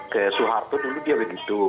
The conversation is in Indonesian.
kayak soeharto dulu dia begitu